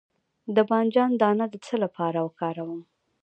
د بانجان دانه د څه لپاره وکاروم؟